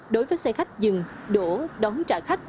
đối với xe khách dừng đổ đón trả khách